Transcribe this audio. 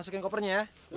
masukin kopernya ya